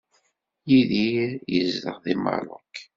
Yidir yezdeɣ deg Meṛṛuk.